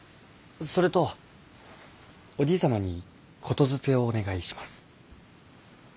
それとおじい様に言づてをお願いします。